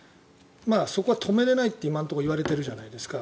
そこは止められないって今のところ言われているじゃないですか。